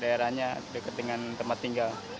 daerahnya dekat dengan tempat tinggal